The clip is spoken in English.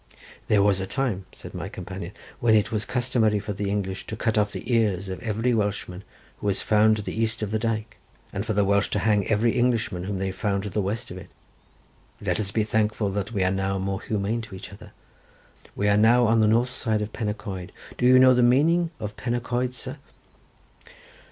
"There was a time," said my companion, "when it was customary for the English to cut off the ears of every Welshman who was found to the east of the dyke, and for the Welsh to hang every Englishman whom they found to the west of it. Let us be thankful that we are now more humane to each other. We are now on the north side of Pen y Coed. Do you know the meaning of Pen y Coed, sir?"